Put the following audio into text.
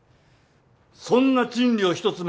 そんな賃料ひとつ